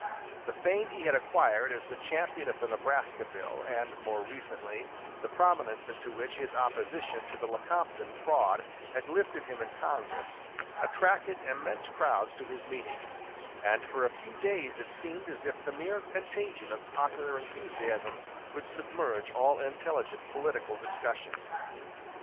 The fame he had acquired as the champion of the Nebraska Bill, and, more recently, the prominence into which his opposition to the Lecompton fraud had lifted him in Congress, attracted immense crowds to his meetings, and for a few days it seemed as if the mere contagion of popular enthusiasm would submerge all intelligent political discussion.